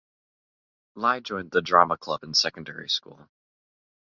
Lai joined the drama club in secondary school.